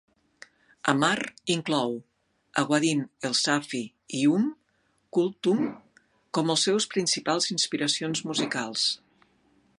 Ammar inclou a Wadih El Safi i Umm Kulthum com els seus principals inspiracions musicals.